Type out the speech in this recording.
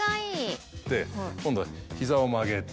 今度は膝を曲げて。